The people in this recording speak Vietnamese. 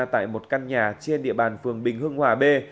tại một căn nhà trên địa bàn phường bình hưng hòa b